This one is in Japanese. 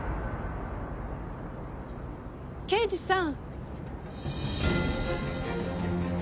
刑事さん！